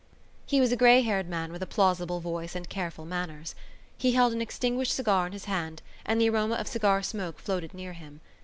He was a grey haired man, with a plausible voice and careful manners. He held an extinguished cigar in his hand and the aroma of cigar smoke floated near him.